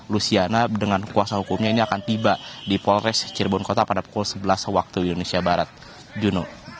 luciana dengan kuasa hukumnya ini akan tiba di polres cirebon kota pada pukul sebelas waktu indonesia barat junu